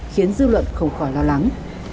khiến dư luận không khỏi lo lắng